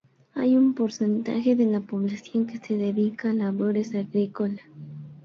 Hay un porcentaje de la población que se dedica a labores agrícola.